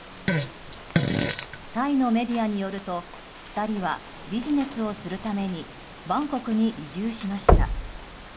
タイのメディアによると２人はビジネスをするためにバンコクに移住しました。